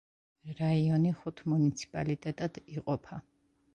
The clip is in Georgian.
რაიონი ხუთ მუნიციპალიტეტად იყოფა.